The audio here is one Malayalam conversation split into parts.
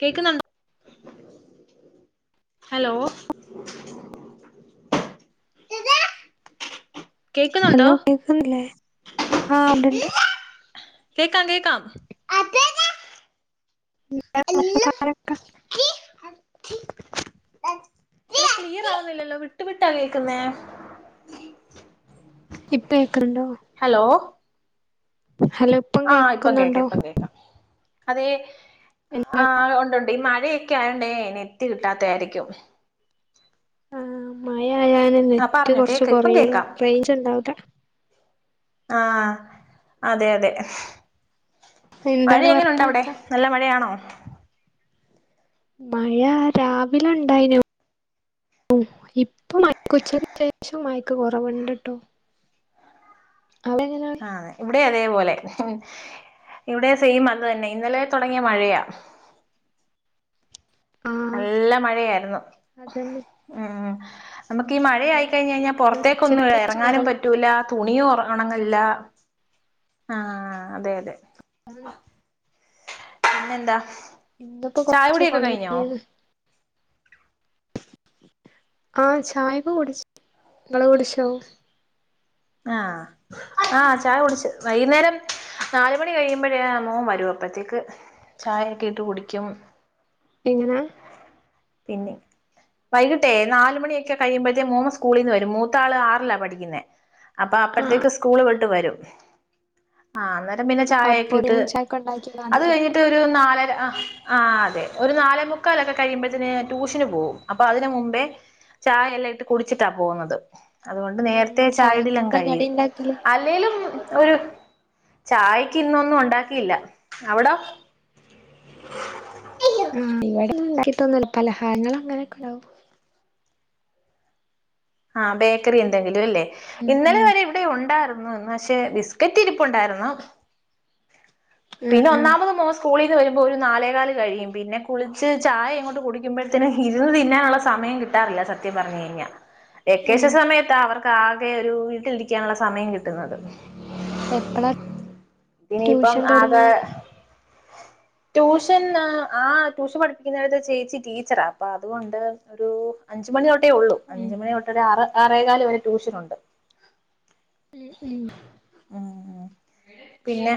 കേൾക്കുന്നുണ്ടോ ഹലോ കേക്കുന്നുണ്ടോ ഹലോ കേക്കുന്നില്ലേ ആ ഉണ്ട് ഉണ്ട് കേക്കാം കേക്കാം ക്ക [unintelligible] [inaudible] ക്ലിയർ ആവുന്നില്ലല്ലോ വിട്ട് വിട്ടാ കേക്കുന്നേ ഇപ്പൊ കേൾക്കണുങ്ങോ ഹലോ ഹലോ ഇപ്പം കേക്കുന്നുണ്ടോ അതേ എന്താ ആ ഒണ്ടൊണ്ട് ഈ മഴ ക്കെയായോണ്ടേ നെറ്റ് കിട്ടാത്തയായിരിക്കും ആഹ് മ ആയാല് നെറ്റ് പറഞ്ഞോ കൊറച്ച് കേക്ക ഇപ്പം കൊറയല്ലോ കേക്കാം റേഞ്ച് ഉണ്ടാവൂല ആ അതെ അതെ മഴ എന്താണ് എങ്ങനൊണ്ടവിടെ വർത്താനൊക്കെ നല്ല മഴയാണോ മഴ രാവിലണ്ടായ്നു ഇപ്പൊ മഴക്ക് ഉച്ചക്ക് ശേഷം മഴക്ക് കൊറവ്ണ്ട്ട്ടോ ആ അതെ ഇവിടെ അതെ അതേപോലെ ഇവിടെ സെയിം അത് തന്നെ ഇന്നലെ തൊടങ്ങിയ മഴയാ ആഹ് നല്ല മഴയായിരുന്നു അതന്നെ ഉം നമുക്ക് ഈ ഉം മഴയായിക്കഴിഞ്ഞ് ഉം കഴിഞ്ഞാ ഇന്ന് ഉച്ചക്ക് പുറത്തേക്കൊന്നും ശേഷം എറങ്ങാനും കൊറവുണ്ട് പറ്റൂല്ല തുണിയും ഒറ ഒണങ്ങ ലാ ആ അതെ അതെ ഉം പിന്നെന്താ ഇന്ന്പ്പോ കൊറച്ച് ചായകുടിയൊക്കെ പണി കഴിഞ്ഞോ [unintelligible] ആ ചായക്ക കുടിച്ചു ങ്ങള് കുടിച്ചോ ആ ആ ചായ കുടിച്ച് വൈന്നേരം നാല് മണി കഴിയുമ്പോഴേ ആ മോൻ വരും അപ്പത്തേക്ക് ചായക്കെ ഇട്ട് കുടിക്കും എങ്ങനെ പിന്നെ വൈകിട്ടേ നാലുമണിയൊക്കെ കഴിയുമ്പത്തെ മോൻ സ്കൂളീന്ന് വരും മൂത്താള് ആറിലാ പഠിക്ക്ന്നേ അപ്പാ ആഹ് അപ്പഴത്തേക്ക് സ്കൂള് വി ട്ടു വരും ആ ന്നേ രം പിന്നെ ചായക്കെ ഇട്ട് അപ്പൊതിന് ചായക്ക് ഉണ്ടാക്കി അത് കാണ്ടില്ലേ? കഴിഞ്ഞിട്ട് ഒരു നാല് തായത് ആ ആതെ ഒരു നാലേമുക്കാലൊക്കെ കഴിയുമ്പ ത്തിന് ട്യൂഷന് പോവും. അപ്പൊ അതിന് മുമ്പേ ചായെല്ലാം ഇട്ട് കുടിച്ചിട്ടാ പോവുന്നത്. അതുകൊണ്ട് ഉം നേരത്തെ ചായടീലങ്ങ് ചായക്കെന്താ കടി കഴിയും ഇണ്ടാക്കല് അല്ലേലും ഒരു ചായക്ക് ഇന്നൊന്നും ഒണ്ടാക്കിയില്ല അവടോ? ഊം ഇവടൊന്നുണ്ടാക്കിട്ടൊന്നുല്ല പലഹാരങ്ങള് അങ്ങനൊക്കെണ്ടാവും ആ ബേക്കറി എന്തെങ്കിലും അല്ലേ ഉം ഉം ഇന്നലെവരെ ഇവിടെ ഒണ്ടാരു ഇന്ന് ഇന്നക്ഷെ ബിസ്കറ്റ് ഇരിപ്പുണ്ടാരുന്നു പിന്നെ ഉം ഉം ഒന്നാമത് മോൻ സ്കൂളി ന്ന് വരുമ്പോ ഒരു നാലേകാല് കഴിയും പിന്നെ കുളിച്ച് ചായങ്ങോട്ട് കുടിക്കുമ്പഴത്തേന് ഇരുന്ന് തിന്നാനുള്ള സമയം കിട്ടാറില്ല സത്യം പറഞ്ഞഴിഞ്ഞാ ഉം വെക്കേഷൻ സമയത്താവർ ക്കാകെ ഒരു വീട്ടിലിരിക്കാനുള്ള സമയം കിട്ടുന്നത് എപ്പളാ ഇനിയിപ്പം ട്യൂഷൻ ആകെ തൊട്ങ്ങാ ട്യൂഷൻ ആ ആ ട്യൂഷൻ പഠിപ്പിക്ക്ന്നേട്ത്തെ ചേച്ചി ടീച്ചറാ അപ്പൊ അതുകൊണ്ട് ഒരു അഞ്ച്മണിയൊ ട്ടെയുള്ളൂ ഉം അഞ്ച് മണിതൊ ആറ് ആറേകാല് വരെ ട്യൂഷനൊണ്ട് ഉം ഉം പിന്നെ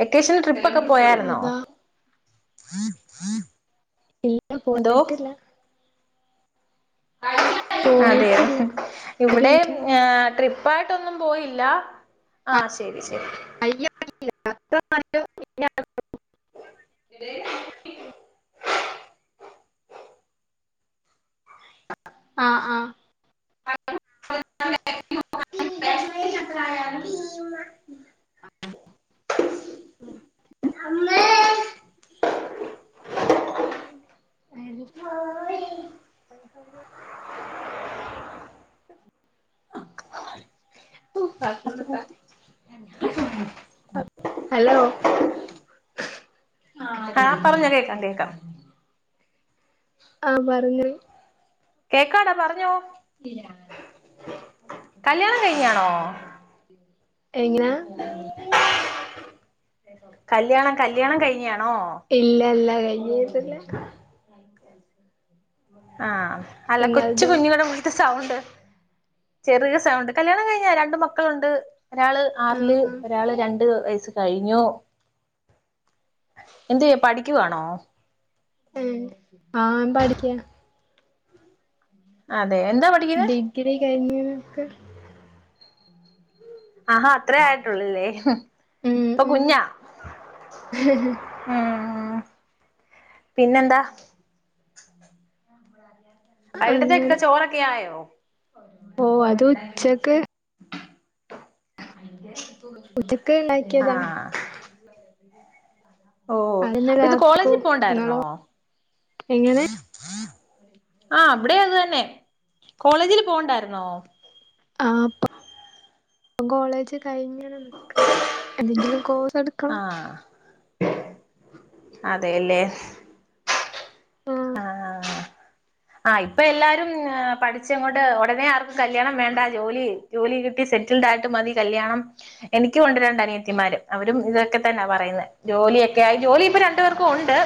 വെക്കേഷന് ട്രിപ്പൊക്കെ പോയായിരുന്നോ അതാ ഇല്ല എന്തോ പോയിട്ടില്ല [unintelligible] അതേയോ പോയിട്ടില്ല ഒരു ഇവിടെ മിനിറ്റ് ആ ട്രിപ്പായി ട്ടൊന്നും പോയില്ല ആ ശരി ശരി [inaudible] ആ ആ ഇല്ല ഹലോ ആഹ് ആയിനെ പറഞ്ഞോ കേക്കാം കേക്കാം അങ്ങനെ ആ പറഞ്ഞോ കേക്കാടാ പറഞ്ഞോ കല്യാണം കഴിഞ്ഞാണോ എങ്ങനാ കല്യാണം കല്യാണം കഴിഞ്ഞാണോ ഇല്ല അല്ല കഴിഞ്ഞിട്ടില്ല ആ അല്ല കൊച്ചു ഇങ്ങൾതോ കുഞ്ഞുടെ പോലത്തെ സൗണ്ട് ചെറിയ സൗണ്ട് കല്യാണം കഴിഞ്ഞാ രണ്ട് മക്കളുണ്ട് ഒരാള് ആഹ് ആറില് ആഹ് ഒരാള് രണ്ട് വയസ്സ് കഴിഞ്ഞു എന്ത് ചെയ്യ പഠിക്കുവാണോ ഏ ആഹ് പഠിക്കാണ് അതെ എന്താ പഠിക്കുന്നത് ഡിഗ്രി കഴിഞ്ഞ് എനക്ക് ആ അത്രേ ആയിട്ടുള്ളല്ലേ ഉം അപ്പൊ ഉം കുഞ്ഞാ ഉം പിന്നെന്താ ഒരിലോ വാ [unintelligible] [unintelligible] തിട്ടിട്ട് ചോറൊക്കെ ആയോ ഓ അതുച്ചക്ക് ഉച്ച ക്ണ്ടാകിയതാ ആഹ് ഓ അപ്പത് കോളേജിൽ രാത്രിക്കും പോണ്ടാരുന്നോ നിങ്ങളോ എങ്ങനെ ആ ഇവിടെ അത് തന്നെ കോളേജിൽ പോകണ്ടാരുന്നോ ആ പൊ കോളേജ് കഴിഞ്ഞ് നിക്ക എന്തെങ്കിലും കോഴ്സെടുക്കണം അതെയല്ലേ ആഹ് ആഹ് ഇപ്പൊ എല്ലാരും ആ പഠിച്ചെകൊണ്ട് ഉടനെ ആർക്കും കല്യാണം വേണ്ട ജോലി ജോലി കിട്ടി സെറ്റിൽഡ് ആയിട്ട് മതി കല്യാണം എനിക്കും ഉണ്ട് രണ്ട് അനിയത്തിമാര് അവരും ഇതൊക്കെ തന്നാ പറയുന്നെ ജോലിയൊക്കെ ആയി ജോലി ഇപ്പ രണ്ടു പേർക്കും ഉണ്ട്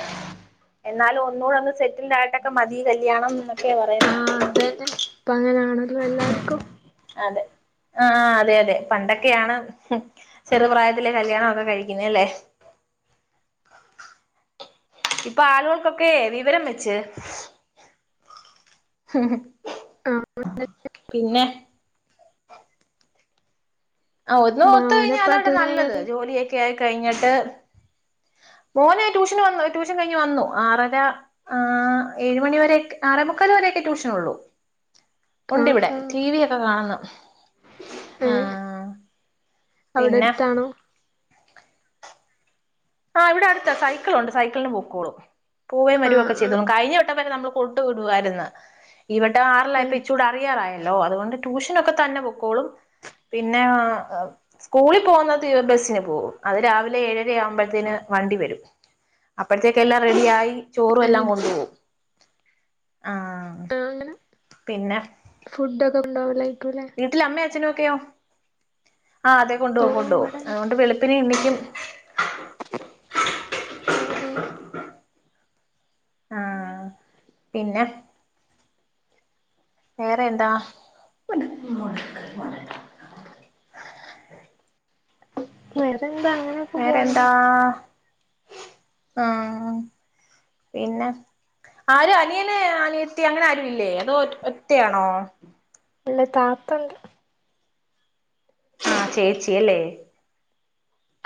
എന്നാലും ഒന്നുകൂടെന്ന് ൽടായിട്ടൊക്കെ മതി കല്യാണം എന്നൊക്കെ പറയുന്നെ ആഹ് അതന്നെ ഇപ്പ അങ്ങനാണല്ലോ ഉം എല്ലാർക്കും അതെ ആ അതെ അതെ പണ്ടൊക്കെയാണ് ഹ് ചെറു പ്രായത്തിലെ കല്യാണം ഒക്കെ കഴിക്കുന്നെ അല്ലേ ഇപ്പ ആളോൾകൊക്കെ വിവരം വെച്ച് ആഹ് പിന്നെ [unintelligible] [inaudible] ആ ഒന്നോത്തു മോനെപ്പളാ കഴിഞ്ഞാലതാണ് ട്യൂഷൻ നല്ലത് കഴിഞ്ഞത് ജോലിക്കായി കൈഞ്ഞിട്ട് മോനെ ട്യൂഷന് വന്നു ട്യൂഷൻ കഴിഞ്ഞ് വന്നു ആറര ആ ഏഴ് മണി വരെക്കെ ആറേമുക്കാൽ വരെക്കെ ട്യൂഷനൊള്ളു ആഹ് ഉണ്ടിവിടെ ആഹ് ടിവി യൊക്കെ കാണുന്നു ആഹ് അവിടെടുത്താണോ ആഹ് ഇവിടടുത്ത സൈക്ക്ളുണ്ട് സൈക്കിളിൽ പൊക്കോളും പൂവേം ആഹ് വരൊക്കെ ആഹ് ചെയ്തൊളും കഴിഞ്ഞ വട്ടം നമ്മൾ കൊണ്ട് വിടുവാരുന്ന് ഇവട്ട ആറിലായപ്പോ ഏഹ് ഇച്ചൂടെ [unintelligible] ആയെ ലോ അത്കൊണ്ട് ട്യൂഷനൊക്കെ തന്നെ പൊക്കോളും പിന്നേ സ്കൂളിൽ പോവുന്നത് ബെസ്സിന് പോവും അത് രാവിലെ ഏഴരയാവു ത്തിന് വണ്ടി വരും അപേഴ്ത്തേക്ക് എല്ലാം റെഡിയായി ചോറും എല്ലാം ഏഹ് കൊണ്ടു പോവും ആഹ് പിന്നെ കംണ്ടാവൂലെ വീട്ടിൽ അമ്മയും അച്ഛനും ക്കെയോ ആഹ് അതെ കൊണ്ടു ഓ പോകും കൊണ്ടോവും ഇവടെ ആവോണ്ട് വെളുപ്പിന് എനിക്കും ആഹ് ആഹ് അങ്ങനെ ആഹ് പിന്നെ വേറെ എന്താ വ [inaudible] വേറെന്താ അങ്ങനെയൊക്കെ പോക്ന്ന് ആ പിന്നെ ആരും അനിയനെ അനിയത്തി അങ്ങനെ ആരു ഇല്ലേ അതോ ഒറ്റയാണോ അല്ല താത്തണ്ട് ആ ചേച്ചിയല്ലേ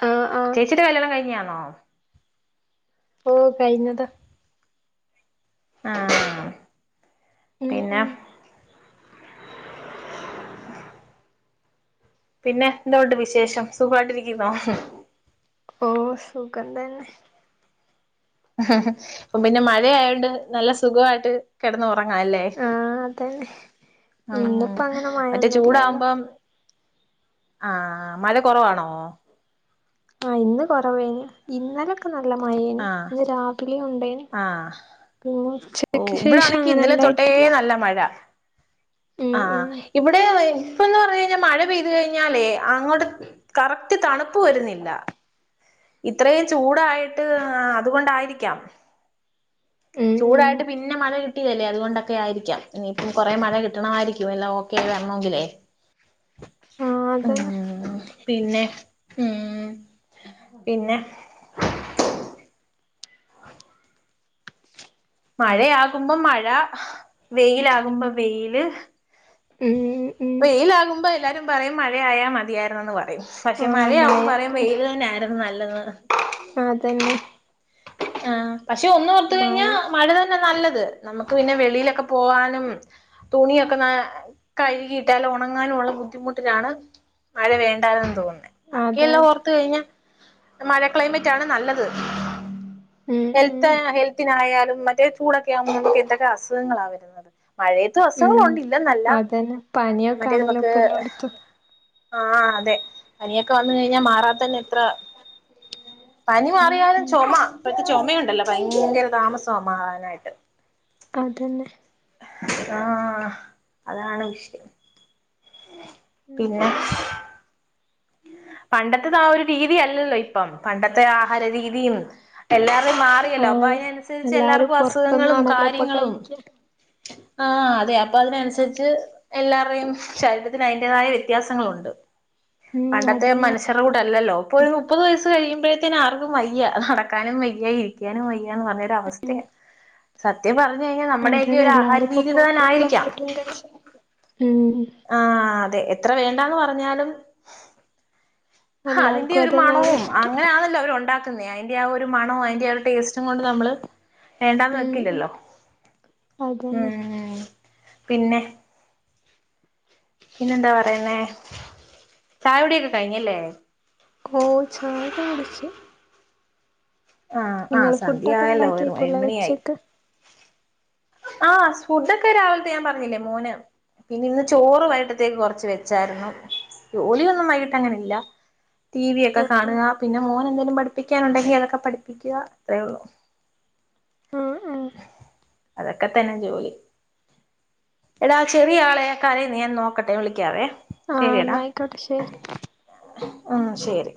ആഹ് ആഹ് ചേച്ചിടെ കല്യാണം കഴിഞ്ഞാ ആഹ് ഓ കൈഞ്ഞത ആ ഉം പിന്നെ ഉം പിന്നെ എന്തൊണ്ട് വിശേഷം സുഖായിട്ടിരിക്കുന്നോ ഓ സുഖം തന്നെ ഹ ഹ പി ഇപ്പം പിന്നെ മഴയായോണ്ട് നല്ല സുഖായിട്ട് കിടന്ന് ഒറ ഉറങ്ങാല്ലേ ആഹ് അതന്നെ ഉം ഉം ഇന്നിപ്പോ അങ്ങനെ മറ്റേ മഴൊന്നുംല്ലല്ലോ ചൂടാകുമ്പം ആഹ് മഴ കുറവാണോ ആ ഇന്ന് കൊറവേന് ഇന്നലൊക്കെ ന ല്ല മഴേന് ആഹ് ഇന്ന് രാവിലെ ഉണ്ട് ആഹ് ഓ ശേഷം ഇവിടാണെങ്കി അങ്ങനെ ഇന്നലെ തൊട്ടേ ഉണ്ടായിട്ടില്ല നല്ല മഴ ഉം ആ ഉം ഇവിടെ [unintelligible] പ്പന്ന് പറഞ്ഞ് കഴിഞ്ഞാൽ മഴ പെയ്തു കഴിഞ്ഞാലേ അങ്ങോട്ട് കറക്റ്റ് തണുപ്പ് വരുന്നില്ല ഇത്രയും ചൂടായിട്ട് അതുകൊണ്ടായിരിക്കാം ഉം ഉം ചൂടായിട്ട് പിന്നെ മഴ ട്ടിയല്ലേ അതുകൊണ്ടൊക്കെ ആയിരിക്കാം ഇനിയിപ്പം കൊറെ മഴ കിട്ടണമായിരിക്കുംല്ല ഓക്കെ ആയി വരണമെങ്കിലേ ആ അതന്നെ ഉം പിന്നെ ഉം പിന്നെ [unintelligible] മഴയാകുമ്പോ മഴ വെയിലാകുമ്പോ വെയില് ഉം ഉം വെയിലാകുമ്പ എല്ലാരും പറയും മഴയയാൽ മതിയായിരുന്നെന്ന് പറയും പക്ഷെ ആഹ് മഴ മഴയാകുമ്പ പറയും വെയിൽ തന്നെ നല്ലത് അതെന്നെ ആ പക്ഷെ ഒന്ന് ഓർത്ത് കഴിഞ്ഞാൽ മഴത ന്നെ നല്ലത് ന പിന്നെ വെളിയിലൊക്കെ പോവാനും തുണിയൊക്കെ ന കഴുകിയിട്ടാല ഉണങ്ങാനുള്ള ബുദ്ധിമുട്ടിലാണ് മഴ വേണ്ടയെന്ന് തോന്നുന്ന അതെ ബാക്കിയെല്ലാം അതെ ഓർത്ത് കഴിഞ്ഞ മഴ ക്ലൈമറ്റ് ആണ് നല്ലത് ഉം ഹെൽത്ത് ഉം ഹെൽത്തിനായാലും മറ്റേ ചൂടൊക്കെ ആവുമ്പോ നമ്മക്ക് എന്തൊക്കെ അസുഖങ്ങളാണ് വരുന്നത് മഴയത്തും ഉം അസുഖങ്ങളുണ്ട് ഇല്ലെന്നല്ല അതന്നെ പനിയൊക്കെ മറ്റേ ആണല്ലോ നമുക്ക് ഇപ്പ എല്ലോട്ത്തും ആഹ് അതെ പനിയൊക്കെ വന്ന കഴിഞ്ഞാ മാറാൻ തന്നെ എത്ര പനി ഉം മാറിയാലും ഉം ചൊമ പ ചൊമയുണ്ടല്ലോ ഭയങ്കര താമസ മാറാനായിട്ട് അതെന്നെ ആഹ് അതാണ് വിഷയം ഉം ഉം പിന്നെ ഉം പണ്ടത്തെത് ആ ഒരു രീതിയല്ലല്ലോ ഇപ്പം പണ്ടത്തെ ആഹാര രീതിയും എല്ലാ അത് മാറിയല്ലോ അപ്പൊ ആഹ് അയ്നനുസരിച്ച് എല്ലാരും എല്ലാർക്കും അസുഖങ്ങളും പൊറത്തുന്നാണല്ലോ ഇപ്പൊ കാര്യങ്ങളും കഴിക്ക ആ അതെ അപ്പൊ അതിനനുസരിച്ച് എല്ലാരുടെയും ശരീരത്തിന് അതിൻ്റേതായ വ്യത്യാസങ്ങളുണ്ട് ഉം പണ്ടത്തെ അതന്നെ മനുഷ്യരുടെ കൂടെ അല്ലല്ലോ ഇപ്പൊ ഒരു മുപ്പത് വയസ്സ് കഴിയു ത്തിന് ആർക്കും വയ്യ നടക്കാനും വയ്യ ഇരിക്കാനും വയ്യ യ്യാന്ന് പറയ്ണ ഒരു അവസ്ഥയ സത്യപറഞ്ഞ ഞ്ഞാൽ നമ്മുടെയൊക്കെ അതന്നെ ഒരു ആഹാര എല്ലാരും ഇപ്പൊ രീതി തന്ന പൊറത്തുന്നുള്ള ആയിരിക്കാം ഫുഡും കഴിച്ച് ഉം ആ അതെ എത്ര വേണ്ടാന്ന് പറഞ്ഞാലും അതിന്റെ എല്ലാർക്കും ഒരു അതന്നാണ് മണവും ഇഷ്ടം അങ്ങനാണല്ലോ അവർ ഒണ്ടാക്കു അയിന്റെ ആ ഒരു മണോ അയിന്റെ ആ ഒരു ടേസ്റ്റും കൊണ്ട് നമ്മള് വേണ്ടാന്ന് ഉം ഉം വെക്കില്ലല്ലോ അതന്നെ ഉം പിന്നെ പിന്നെന്താ പറയുന്നേ ചായകുടിയൊക്കെ കഴിഞ്ഞല്ലേ ഓ ചായൊക്കെ കുടിച്ച് ആഹ് ആഹ് നിങ്ങള് ഫുഡ് ഒക്കെ സന്ധ്യയായല്ലോ ഒരു ഉണ്ടാക്കിയേക്കുല്ലേ ഏഴുമണിയായി ഉച്ചയ്ക്ക് ആഹ് ഫുഡൊക്കെ രാവിലത്തെ ഞാൻ പറഞ്ഞില്ലേ മോന് പിന്നെ ഇന്ന് ചോറ് വൈകിട്ടത്തേക്ക് കൊറച്ച് വെച്ചായിരുന്നു ജോലിയൊന്നും വൈകിട്ട് അങ്ങനില്ല ടി വി ഒക്കെ ഉം കാണുക പിന്നെ മോൻ എന്തേങ്കിലും പഠിപ്പിക്കാനുണ്ടെങ്കി അതൊക്കെ പഠിപ്പിക്കുക അത്രയേള്ളു ഉം ഉം ഉം അതൊക്കെ തന്നെ ജോലി എടാ ചെറിയ ആളെ കരയുന്ന ഞാൻ നോക്കട്ടെ വിളിക്കാവേ ആഹ് എന്ന ശരിയെടാ ആയിക്കോട്ടെ ശരി ഉം ശരി